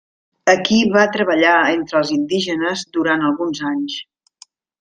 Aquí va treballar entre els indígenes durant alguns anys.